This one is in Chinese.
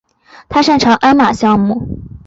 他擅长鞍马项目。